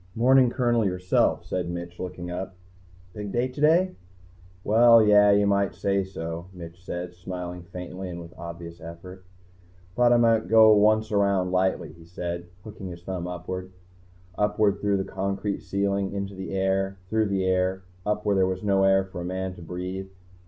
"Morning, Colonel, yourself," said Mitch, looking up. "Big date today?" "Well yeah, you might say so," Mitch said, smiling faintly and with obvious effort. "Thought I might go once around lightly," he said, hooking his thumb upwards. Upwards through the concrete ceiling, into the air, through the air, up where there was no air for a man to breathe.